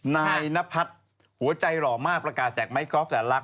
นายนพัฒน์หัวใจหล่อมากประกาศแจกไม้กอล์ฟแสนลักษ